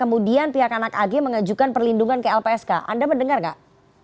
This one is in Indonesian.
kemudian pihak anak ag mengajukan perlindungan ke lpsk anda mendengar nggak